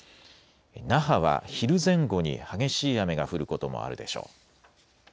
那覇は昼前後に激しい雨が降ることもあるでしょう。